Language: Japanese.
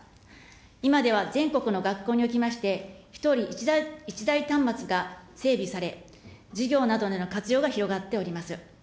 今では全国の学校におきまして、１人１台端末が整備され、授業などでの活用が広がっております。